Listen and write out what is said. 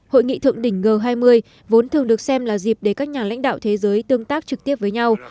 hội nghị thượng đỉnh g hai mươi vốn thường được xem là dịp để các nhà lãnh đạo thế giới tương tác trực tiếp với nhau